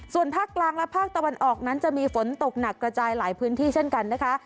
ส่วนภาคกลางและภาคตะวันออกนั้นจะมีฝนตกหนักกระจายหลายพื้นที่เช่นกันนะคะ